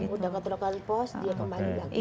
udah enggak tulangkan pos dia kembali lagi